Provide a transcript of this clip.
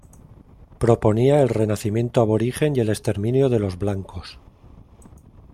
Proponía el renacimiento aborigen y el exterminio de los blancos.